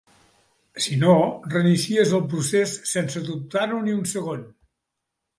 Si no, reinicies el procés sense dubtar-ho ni un segon.